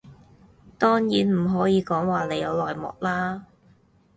當然唔可以講話你有內幕料啦